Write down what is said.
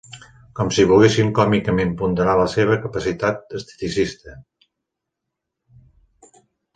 ...com si volguessin còmicament ponderar la seva capacitat esteticista.